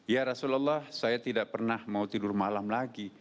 ya rasulullah saya tidak pernah mau tidur malam lagi